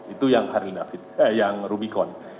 itu yang rubicon